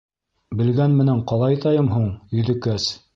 — Белгән менән ҡалайтайым һуң, Йөҙөкәс.